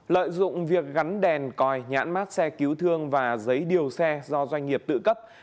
lợi dụng việc gắn đèn còi nhãn mát xe cứu thương và giấy điều xe do doanh nghiệp tự cấp